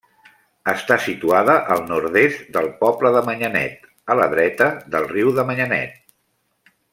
Està situada al nord-est del poble de Manyanet, a la dreta del riu de Manyanet.